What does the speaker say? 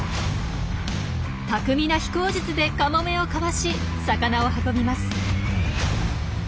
巧みな飛行術でカモメをかわし魚を運びます。